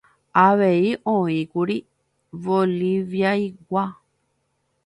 Avei oĩkuri Boliviaygua.